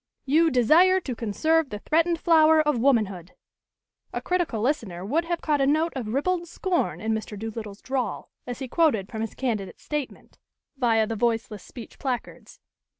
"You 'DESIRE TO CONSERVE THE THREATENED FLOWER OF WOMANHOOD.'" A critical listener would have caught a note of ribald scorn in Mr. Doolittle's drawl, as he quoted from his candidate's statement, via the voiceless speech placards.